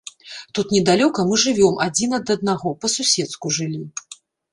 Тут недалёка мы жывём адзін ад аднаго, па-суседску жылі.